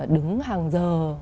đứng hàng giờ